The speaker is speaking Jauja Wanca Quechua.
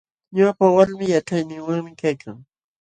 Ñuqapa walmi killachayninwanmi kaykan.